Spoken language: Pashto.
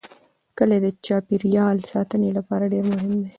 کلي د چاپیریال ساتنې لپاره ډېر مهم دي.